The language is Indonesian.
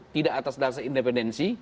tidak atas dasar independensi